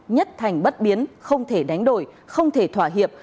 nhất thành bất biến không thể đánh đổi không thể thỏa hiệp